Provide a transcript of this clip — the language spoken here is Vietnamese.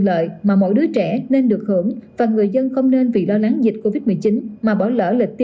lợi mà mỗi đứa trẻ nên được hưởng và người dân không nên vì lo lắng dịch covid một mươi chín mà bỏ lỡ lịch